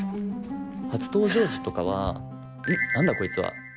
初登場時とかは「うん？何だこいつは。